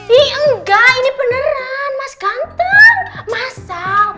ih enggak ini beneran mas ganteng masal